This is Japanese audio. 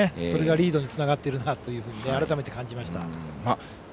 それがリードにつながっているなというふうに改めて感じました。